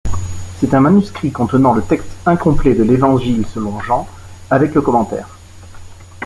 C'est un manuscrit contenant le texte incomplet de l'Évangile selon Jean avec le commentaire.